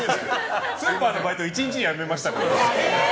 スーパーのバイト１日で辞めましたから。